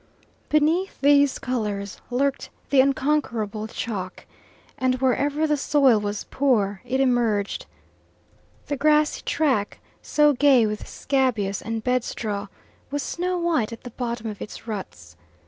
Beneath these colours lurked the unconquerable chalk, and wherever the soil was poor it emerged. The grassy track, so gay with scabious and bedstraw, was snow white at the bottom of its ruts.